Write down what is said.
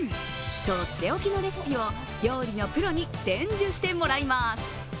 とっておきのレシピを料理のプロに伝授してもらいます。